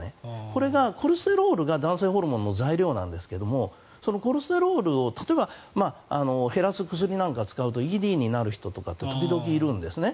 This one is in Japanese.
これがコレステロールが男性ホルモンの材料なんですがコレステロールを例えば、減らす薬なんかを使うとＥＤになる人って時々いるんですね。